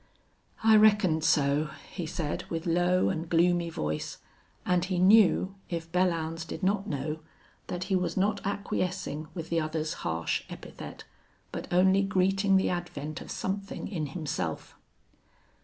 "I reckoned so," he said, with low and gloomy voice, and he knew, if Belllounds did not know, that he was not acquiescing with the other's harsh epithet, but only greeting the advent of something in himself.